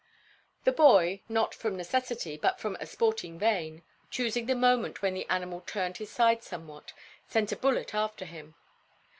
The boy, not from necessity, but from a sporting vein, choosing the moment when the animal turned his side somewhat, sent a bullet after him.